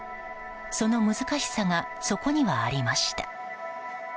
その難しさがそこにはありました。